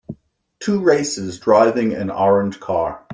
Two racers driving an orange car